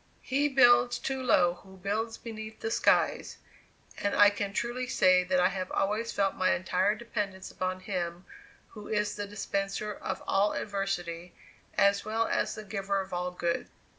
"He builds too low who builds beneath the skies"; and I can truly say that I have always felt my entire dependence upon Him who is the dispenser of all adversity, as well as the giver of all good.